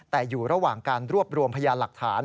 แต่อยู่ระหว่างการรวบรวมพยานหลักฐาน